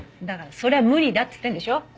だからそれは無理だっつってんでしょ。